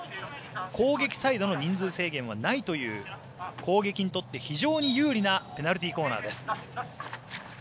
攻撃サイドの人数制限はないという攻撃にとって非常に有利なペナルティーコーナーです。